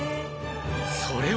それは